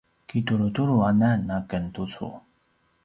kitulutulu anan a ken tucu